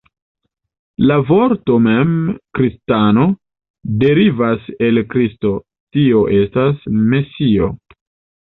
La vorto mem kristano, derivas el Kristo, tio estas, Mesio.